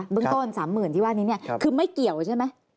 บึงต้น๓๐๐๐๐ที่ว่านี้คือไม่เกี่ยวใช่ไหม